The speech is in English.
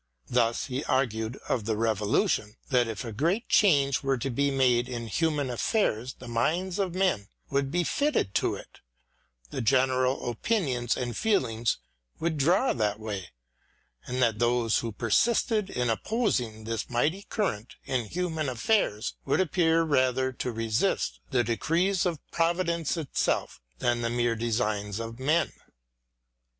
Thus he argued of the Revolution that if a great change were to be made in human affairs the minds of men would be fitted to it : the general opinions and feelings would draw that way ; and that those who persisted in opposing this mighty current in human affairs would appear rather to resist the decrees of Providence itself than the mere designs of men.